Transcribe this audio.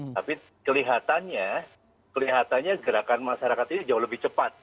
tapi kelihatannya kelihatannya gerakan masyarakat ini jauh lebih cepat